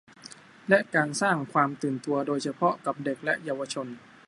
และการสร้างความตื่นตัวโดยเฉพาะกับเด็กและเยาวชน